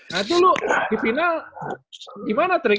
nah itu lu di final gimana trik